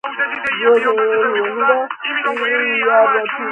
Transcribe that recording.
აქვე ითვლება „ვარსკვლავურ ომებთან“ დაკავშირებული სხვა პროდუქციისათვის შექმნილი მუსიკაც.